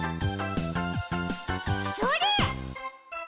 それ！